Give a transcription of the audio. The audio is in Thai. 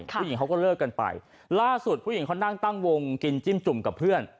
ผู้หญิงเขาก็เลิกกันไปล่าสุดผู้หญิงเขานั่งตั้งวงกินจิ้มจุ่มกับเพื่อน